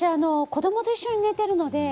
子どもと一緒に寝ているんです。